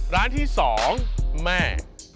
ร้านที่๒แม่